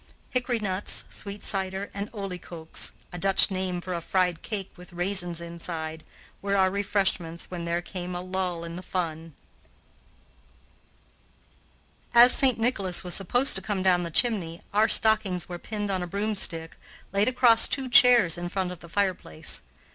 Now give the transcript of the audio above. Hickory nuts, sweet cider, and olie koeks (a Dutch name for a fried cake with raisins inside) were our refreshments when there came a lull in the fun. As St. Nicholas was supposed to come down the chimney, our stockings were pinned on a broomstick, laid across two chairs in front of the fireplace.